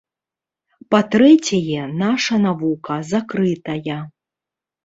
Па-трэцяе, наша навука закрытая.